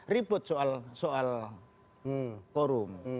ribut soal korum